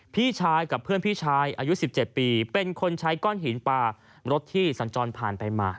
พี่ชายกับเพื่อนพี่ชายอายุ๑๗ปีเป็นคนใช้ก้อนหินปลารถที่สัญจรผ่านไปมา